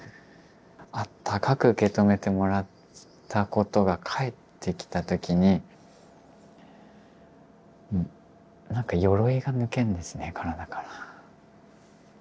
あったかく受け止めてもらったことが返ってきた時になんかよろいが抜けるんですね体から。